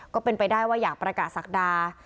ก็เป็นไปได้ว่าอยากประกาศศักดา